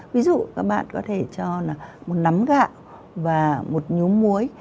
ví dụ các bạn có thể cho là một nắm gạo và một nhốm muối